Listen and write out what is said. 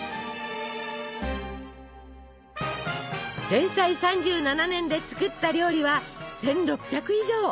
連載３７年で作った料理は１，６００以上。